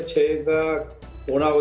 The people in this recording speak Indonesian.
jadi tidak menggantung umur saya